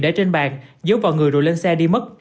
để trên bàn giấu vào người rồi lên xe đi mất